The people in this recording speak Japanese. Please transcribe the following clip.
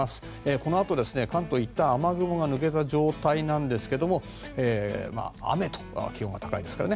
このあと、関東は雨雲が抜ける状態なんですが雨と気温が高いですからね。